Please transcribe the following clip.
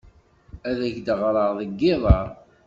Ad ak-d-ɣreɣ deg yiḍ-a.